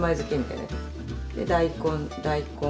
で大根大根